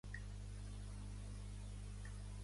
Creua Sakurada Dori.